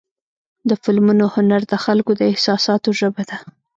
د فلمونو هنر د خلکو د احساساتو ژبه ده.